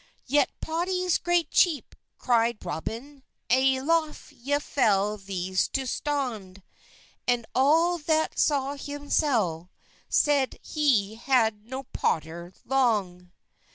Yet, "Pottys, gret chepe!" creyed Robyn, "Y loffe yeffell thes to stonde;" And all that saw hem sell, Seyde he had be no potter long.